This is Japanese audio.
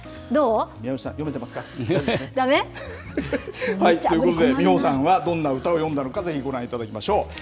宮内さん、だめ？ということで、美穂さんはどんな歌を詠んだのか、ご覧いただきましょう。